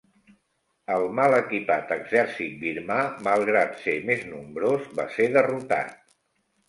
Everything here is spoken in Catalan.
El mal equipat exèrcit birmà, malgrat ser més nombrós, va ser derrotat.